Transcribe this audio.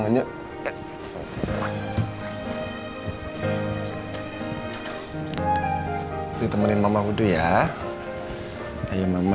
tante seorang ngechat gue semalam